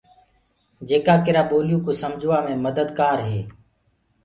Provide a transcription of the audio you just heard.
جيڪآ ڪِرآ ٻوليو ڪوُ سمگھوآ مي مدد ڪآردي هي۔